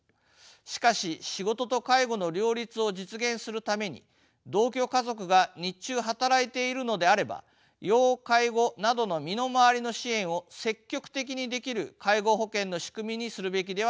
しかし仕事と介護の両立を実現するために同居家族が日中働いているのであれば要介護などの身の回りの支援を積極的にできる介護保険の仕組みにするべきではないでしょうか。